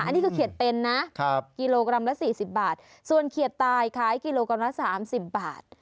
อันนี้คือเขียดเป็นนะกิโลกรัมละ๔๐บาทส่วนเขียดตายขายกิโลกรัมละ๓๐บาท